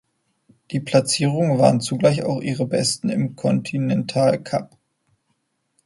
Die Platzierungen waren zugleich auch ihre besten im Continental Cup.